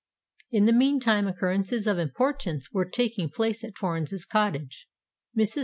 In the meantime occurrences of importance were taking place at Torrens Cottage. Mrs.